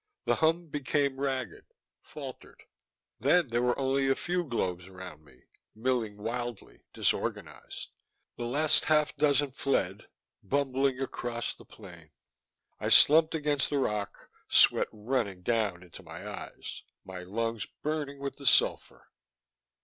The hum became ragged, faltered. Then there were only a few globes around me, milling wildly, disorganized. The last half dozen fled, bumbling away across the plain. I slumped against the rock, sweat running down into my eyes, my lungs burning with the sulphur.